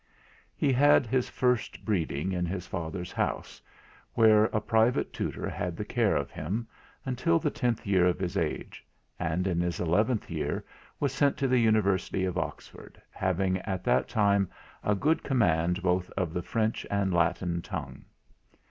He had his first breeding in his father's house, where a private tutor had the care of him, until the tenth year of his age; and, in his eleventh year, was sent to the University of Oxford, having at that time a good command both of the French and Latin tongue.